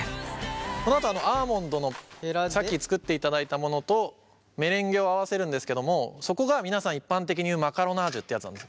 このあとアーモンドのさっき作っていただいたものとメレンゲを合わせるんですけどもそこが皆さん一般的に言うマカロナージュってやつなんです。